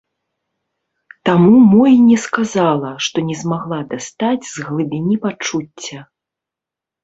Таму мо і не сказала, што не змагла дастаць з глыбіні пачуцця.